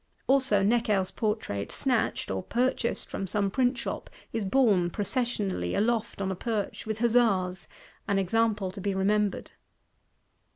Also Necker's Portrait snatched, or purchased, from some Printshop, is borne processionally, aloft on a perch, with huzzas;—an example to be remembered.